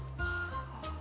あ。